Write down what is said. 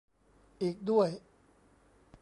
อีกด้วย